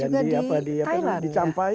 dan juga di thailand